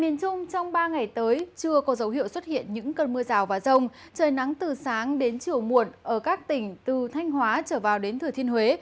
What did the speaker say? những cơn mưa rào và rông trời nắng từ sáng đến chiều muộn ở các tỉnh từ thanh hóa trở vào đến thừa thiên huế